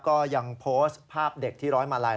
ก็ยังโพสต์ภาพเด็กที่ร้อยมาลัย